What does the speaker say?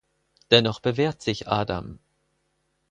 Dennoch bewährt sich Adam.